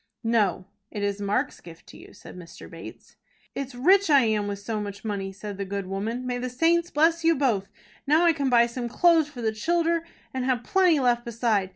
"No it is Mark's gift to you," said Mr. Bates. "It's rich I am with so much money," said the good woman. "May the saints bless you both! Now I can buy some clothes for the childer, and have plenty left beside.